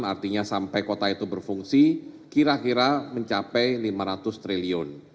artinya sampai kota itu berfungsi kira kira mencapai lima ratus triliun